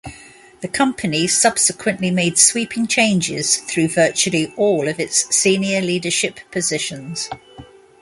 The company subsequently made sweeping changes through virtually all of its senior leadership positions.